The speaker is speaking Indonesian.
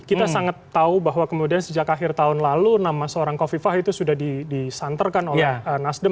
kita sangat tahu bahwa kemudian sejak akhir tahun lalu nama seorang kofifah itu sudah disanterkan oleh nasdem